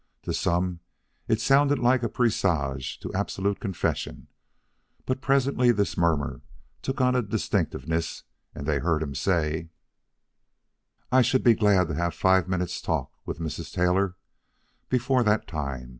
To some it sounded like a presage to absolute confession, but presently this murmur took on a distinctness, and they heard him say: "I should be glad to have five minutes' talk with Mrs. Taylor before that time.